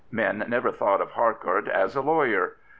Men never thought of Harcourt as a lawyer.